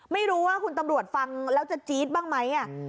ไม่รู้ว่าคุณตำรวจฟังแล้วจะจี๊ดบ้างไหม